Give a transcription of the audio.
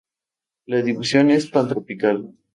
La distribución es pantropical.